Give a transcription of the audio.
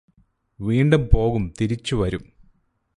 വീണ്ടും പോകും തിരിച്ചു വരും